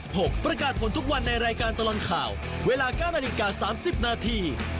โปรดติดตามตอนต่อไป